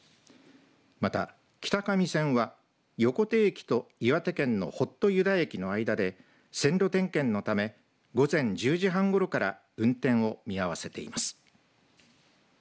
また、北上線は横手駅と岩手県のほっとゆだ駅で線路点検のため午前１０時半ごろから運転を見合わせています。